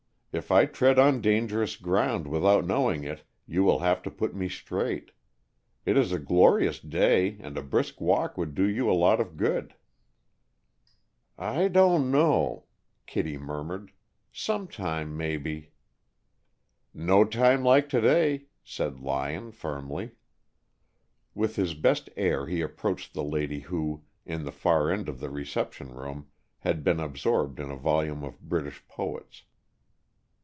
If I tread on dangerous ground without knowing it, you will have to put me straight. It is a glorious day, and a brisk walk would do you a lot of good." "I don't know," Kittie murmured. "Some time, maybe, " "No time like to day," said Lyon, firmly. With his best air he approached the lady who, in the far end of the reception room, had been absorbed in a volume of British Poets.